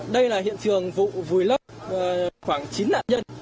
đây là hiện trường vụ vùi lấp khoảng chín nạn nhân